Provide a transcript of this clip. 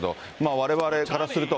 われわれからすると、